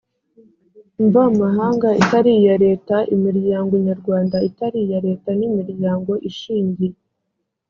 mvamahanga itari iya leta imiryango nyarwanda itari iya leta n imiryango ishingiye